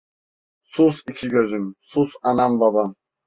Sus iki gözüm, sus anam babam!